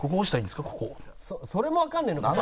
それもわかんねえのか？